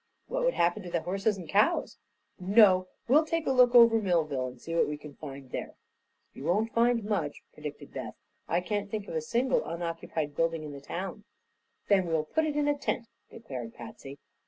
"What would happen to the horses and cows? No; we'll take a look over Millville and see what we can find there." "You won't find much," predicted Beth. "I can't think of a single unoccupied building in the town." "Then we'll put it in a tent," declared Patsy.